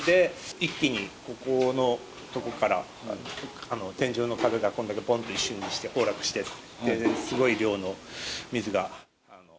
一気にここのとこから天井の壁がこんだけ、ぼんっと一瞬にして崩落して、すごい量の水が。